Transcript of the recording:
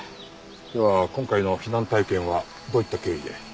では今回の避難体験はどういった経緯で。